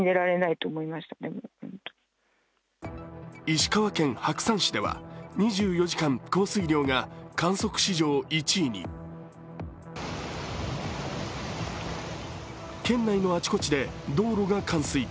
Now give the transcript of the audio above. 石川県白山市では２４時間降水量が県内のあちこちで道路が冠水。